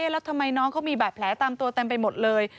แล้วทำไมน้องเขามีบาดแผลตามตัวเต็มไปหมดเลย